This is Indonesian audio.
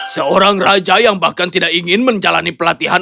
seorang raja yang bahkan tidak ingin menjalani pelatihan